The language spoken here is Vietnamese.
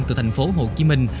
từ thành phố hồ chí minh